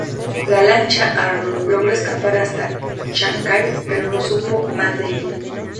La lancha "Arno" logró escapar hasta Chancay, pero no se supo más de ella.